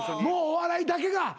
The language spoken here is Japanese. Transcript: もうお笑いだけが。